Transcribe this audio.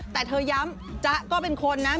แต่เธอย้ำจ๊ะก็เป็นคนนะ